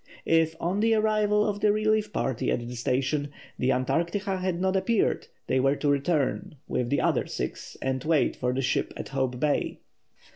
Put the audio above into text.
If, on the arrival of the relief party at the station, the Antarctica had not appeared, they were to return, with the other six, and wait for the ship at Hope Bay.